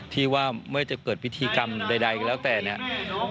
ที่ว่าเมื่อจะเกิดพิธีกรรมใดก็แล้วแต่เนี่ย